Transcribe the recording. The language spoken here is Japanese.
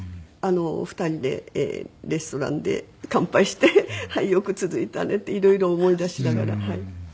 ２人でレストランで乾杯して「よく続いたね」っていろいろ思い出しながらはい。